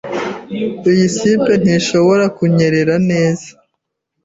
Iyi zipper ntishobora kunyerera neza.